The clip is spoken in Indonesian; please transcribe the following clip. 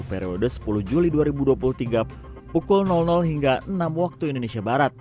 periode sepuluh juli dua ribu dua puluh tiga pukul hingga enam waktu indonesia barat